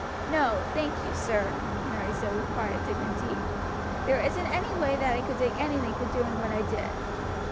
"No, thank you, sir," Mary said with quiet dignity; "there isn't any way that I could take anything for doing what I did."